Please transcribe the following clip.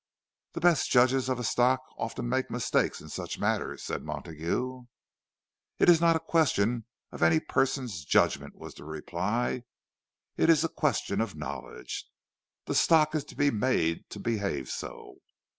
"The best judges of a stock often make mistakes in such matters," said Montague. "It is not a question of any person's judgment," was the reply. "It is a question of knowledge. The stock is to be made to behave so."